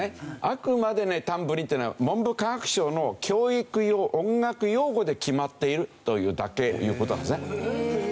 あくまでねタンブリンっていうのは文部科学省の教育用音楽用語で決まっているというだけという事なんですね。